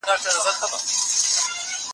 د سرطان څېړنې لپاره بودیجه ډېره مهمه ده.